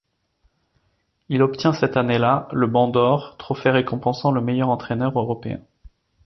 Il obtient cette année-là le Banc d'or, trophée récompensant le meilleur entraîneur européen.